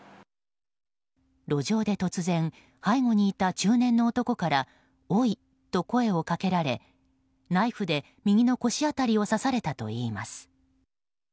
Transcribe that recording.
路上で突然背後にいた中年の男からおい！と声をかけられナイフで右の腰辺りを刺されたといいます。